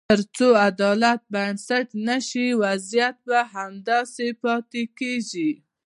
تر څو عدالت بنسټ نه شي، وضعیت همداسې پاتې کېږي.